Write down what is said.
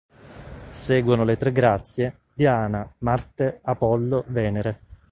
Seguono le Tre Grazie, Diana, Marte, Apollo, Venere.